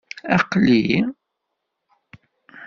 Aql-i.